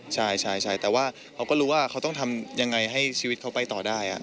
ใช่แต่ว่าเขาก็รู้ว่าเขาต้องทำยังไงให้ชีวิตเขาไปต่อได้